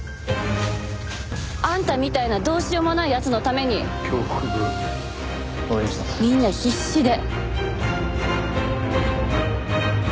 あんたみたいなどうしようもない奴のためにみんな必死で。